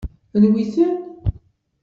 Anwi-ten?